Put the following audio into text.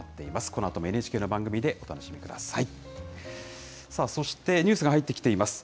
このあともＮＨＫの番組でお楽しみください。